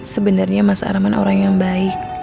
sebenernya mas harman orang yang baik